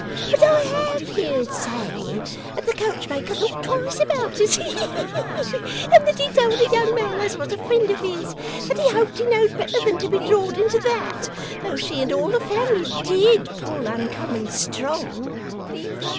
But I HAVE heerd say, that the coachmaker thought twice about it he he he! and that he told a young man as was a frind of his, that he hoped he knowed better than to be drawed into that; though she and all the family DID pull uncommon strong!